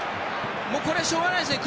これはしょうがないですよね。